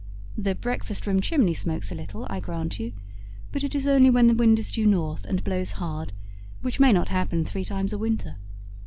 The breakfast room chimney smokes a little, I grant you, but it is only when the wind is due north and blows hard, which may not happen three times a winter.